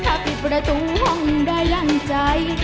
ถ้าปิดประตูห้องได้ดั่งใจ